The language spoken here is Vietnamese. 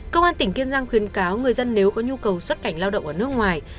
công an tỉnh kiên giang khuyến cáo người dân nếu có nhu cầu xuất cảnh lao động ở nước ngoài